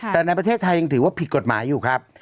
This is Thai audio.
แต่ในประเทศไทยยังถือว่าผิดกฎหมายอยู่ครับ